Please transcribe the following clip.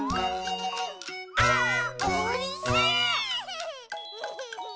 「あーおいしい！」